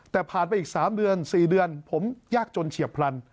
แต่ผ่านไปอีก๓เดือน๔เดือนผมยากจนเฉียบพลัน